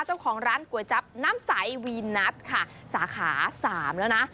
เจ้าของร้านกลัวยจั๊บน้ำสายวีนัทสาขา๓แล้วนะ